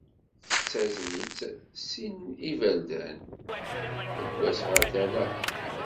Tettazen-itt sin n yiberdan, deg wass, ɣer tala.